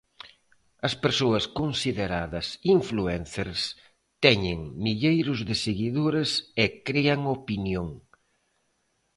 As persoas consideradas influencers teñen milleiros de seguidores e crean opinión.